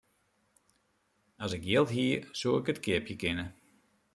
As ik jild hie, soe ik it keapje kinne.